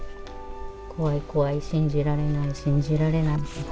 「怖い怖い信じられない信じられない」とか。